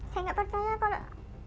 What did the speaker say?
saya nggak percaya kalau